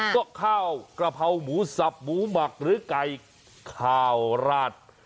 ก็ข้าวกระเพราหมูสับหมูหมักหรือไก่ขาวราด